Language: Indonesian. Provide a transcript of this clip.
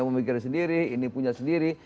memikir sendiri ini punya sendiri